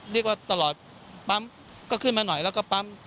เรียกว่าตลอดปั๊มก็ขึ้นมาหน่อยแล้วก็ปั๊ม